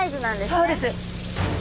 そうです。